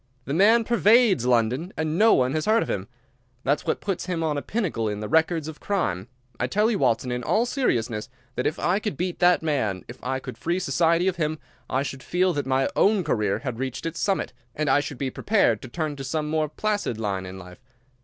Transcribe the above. "The man pervades London, and no one has heard of him. That's what puts him on a pinnacle in the records of crime. I tell you, Watson, in all seriousness, that if I could beat that man, if I could free society of him, I should feel that my own career had reached its summit, and I should be prepared to turn to some more placid line in life.